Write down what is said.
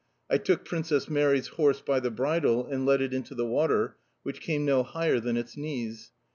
I took Princess Mary's horse by the bridle and led it into the water, which came no higher than its knees.